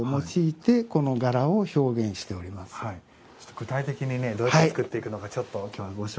具体的にどうやって作っていくのかちょっと今日はご紹介しましょう。